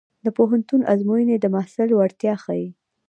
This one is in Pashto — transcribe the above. د پوهنتون ازموینې د محصل وړتیا ښيي.